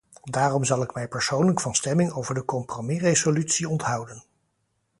Daarom zal ik mij persoonlijk van stemming over de compromisresolutie onthouden.